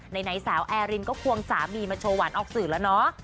ไหนสาวแอร์รินก็ควงสามีมาโชว์หวานออกสื่อแล้วเนาะ